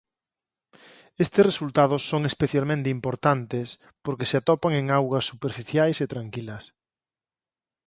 Estes resultados son especialmente importantes porque se atopan en augas superficiais e tranquilas.